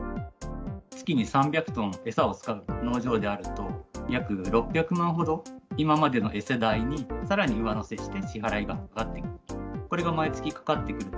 月に３００トン餌を使う農場であると、約６００万ほど、今までの餌代に、さらに上乗せして支払いがかかってくる。